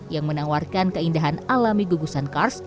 yang menawarkan keindahan alami gugusan kars